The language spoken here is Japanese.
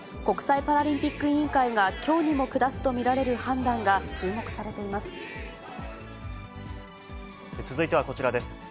国際パラリンピック委員会がきょうにも下すと見られる判断が注目続いてはこちらです。